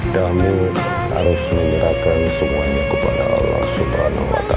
kami harus menyerahkan semuanya kepada allah swt